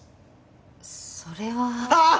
それはああー！